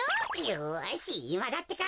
よしいまだってか！